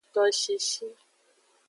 Toshishi.